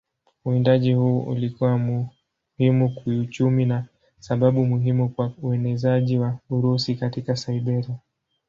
Uwindaji huu ulikuwa muhimu kiuchumi na sababu muhimu kwa uenezaji wa Urusi katika Siberia.